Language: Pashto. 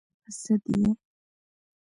_ په سد يې؟